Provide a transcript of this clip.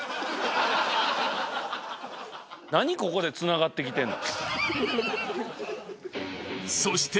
何ここでつながってきてんの？